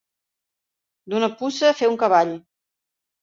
D'una puça fer un cavall.